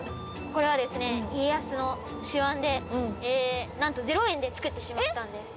これはですね家康の手腕でなんと０円で造ってしまったんです。